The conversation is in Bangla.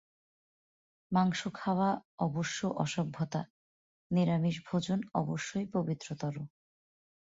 মাংস খাওয়া অবশ্য অসভ্যতা, নিরামিষ-ভোজন অবশ্যই পবিত্রতর।